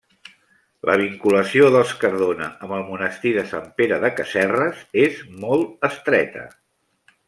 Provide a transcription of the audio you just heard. La vinculació dels Cardona amb el monestir de Sant Pere de Casserres és molt estreta.